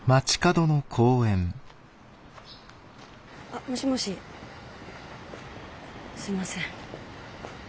あもしもしすいません